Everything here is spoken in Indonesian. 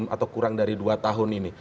atau kurang dari dua tahun ini